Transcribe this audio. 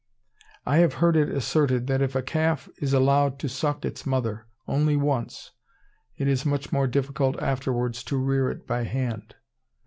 I have heard it asserted that if a calf be allowed to suck its mother only once, it is much more difficult afterwards to rear it by hand.